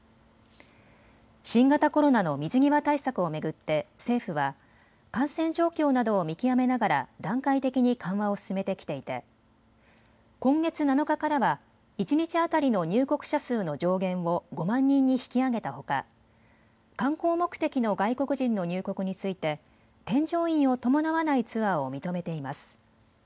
新型コロナの水際対策を巡って政府は感染状況などを見極めながら段階的に緩和を進めてきていて今月７日からは一日当たりの入国者数の上限を５万人に引き上げたほか観光目的の外国人の入国について添乗員を伴わないツアーを認めています。